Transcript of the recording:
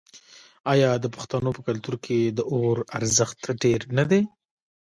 آیا د پښتنو په کلتور کې د اور ارزښت ډیر نه دی؟